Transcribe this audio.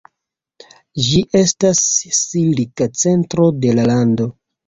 Ĝi estas silka centro de la lando.